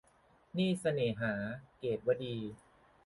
หนี้เสน่หา - เกตุวดี